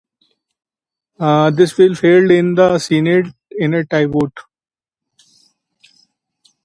The bill failed in the Senate in a tie vote.